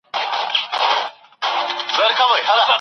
ځان به آصل ورته ښکاري تر خپلوانو